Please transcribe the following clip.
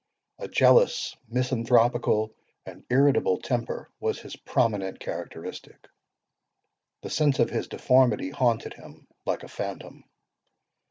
A jealous, misanthropical, and irritable temper, was his prominent characteristic. The sense of his deformity haunted him like a phantom.